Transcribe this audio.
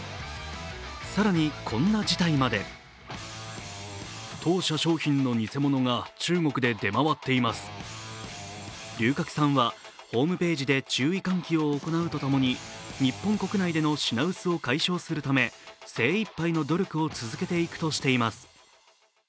更に、こんな事態まで龍角散はホームページで注意喚起を行うとともに日本国内での品薄を解消するため精いっぱいの努力を続けていくとしています。